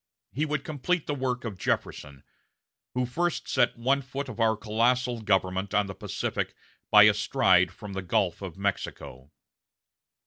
he would complete the work of Jefferson, who first set one foot of our colossal government on the Pacific by a stride from the Gulf of Mexico...."